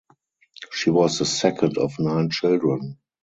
She was the second of nine children.